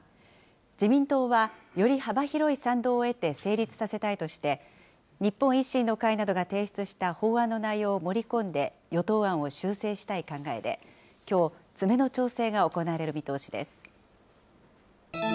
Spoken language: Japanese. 自民党はより幅広い賛同を得て成立させたいとして、日本維新の会などが提出した法案の内容を盛り込んで、与党案を修正したい考えで、きょう、詰めの調整が行われる見通しです。